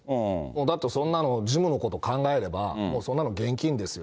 だってそんなの事務のことを考えれば、もうそんなの現金ですよ。